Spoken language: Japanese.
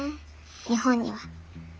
日本には。